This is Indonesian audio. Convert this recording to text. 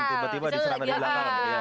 tiba tiba diserang dari belakang